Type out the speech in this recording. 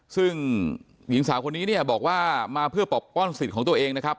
ซึ่งหญิงสาวคนนี้เนี่ยบอกว่ามาเพื่อปกป้อนสิทธิ์ของตัวเองนะครับ